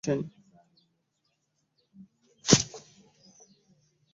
Ekibiina ekitwala omupiira mu Uganda ekya Federation of Uganda Football Association.